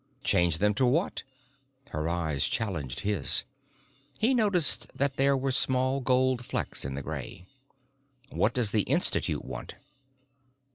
"Change them to what?" Her eyes challenged his. He noticed that there were small gold flecks in the gray. "What does the Institute want?"